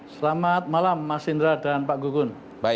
selamat malam mas indra dan pak gu gun